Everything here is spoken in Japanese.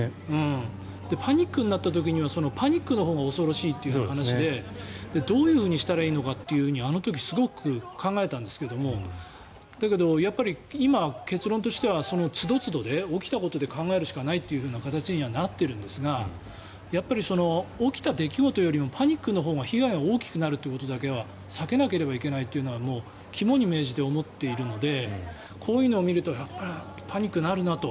パニックになった時にはそのパニックのほうが恐ろしいって話でどういうふうにしたらいいのかとあの時、すごく考えたんですけどだけど、やっぱり今、結論としてはそのつどつどで起きたことで考えるしかないって形にはなってるんですがやっぱり、起きた出来事よりもパニックのほうが被害が大きくなるということだけは避けなければいけないというのは肝に銘じて思っているのでこういうのを見るとやっぱりパニックになるなと。